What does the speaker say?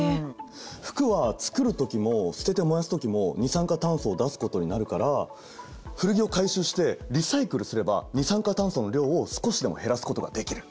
服は作る時も捨てて燃やす時も二酸化炭素を出すことになるから古着を回収してリサイクルすれば二酸化炭素の量を少しでも減らすことができる。